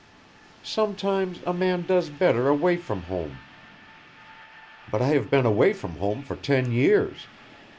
"Sometimes a man does better away from home." "But I have been away from home for ten years.